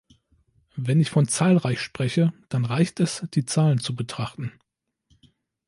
Wenn ich von zahlreich spreche, dann reicht es, die Zahlen zu betrachten.